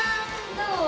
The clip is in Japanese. どう？